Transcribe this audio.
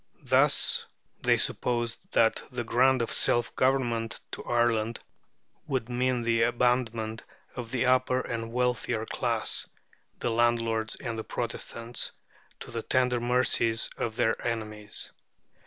Thus they supposed that the grant of self government to Ireland would mean the abandonment of the upper and wealthier class, the landlords and the Protestants, to the tender mercies of their enemies.